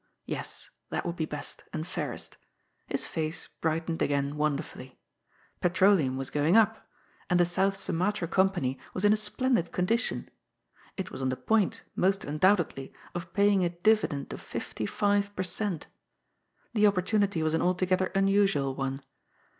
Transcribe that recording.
Yes, that would be best, and fairest. His face brightened again wonderfully. Petroleum was going up. And the South Sumatra Company was in a splendid condition. It was on the point — most undoubtedly — of paying a dividend of fifty five per cent. The opportunity was an altogether unusual one.